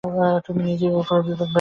তুমিই নিজের ওপর বিপদ বয়ে আনো।